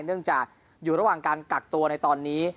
เนื่องจากอยู่ระหว่างการกักตัวในตอนนี้